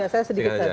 saya sedikit saja